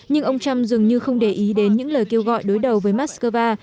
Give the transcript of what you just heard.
nhưng ông trump dường như không để ý đến những lời kêu gọi đối đầu với mát x cơ va